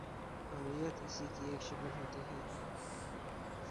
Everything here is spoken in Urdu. آمریت اسی کی ایک شکل ہوتی ہے۔